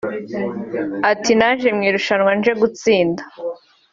Ati “Naje mu irushanwa nje gutsinda